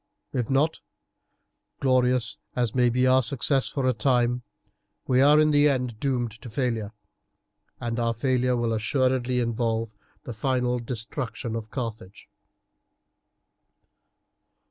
If not, glorious as may be our success for a time, we are in the end doomed to failure, and our failure will assuredly involve the final destruction of Carthage.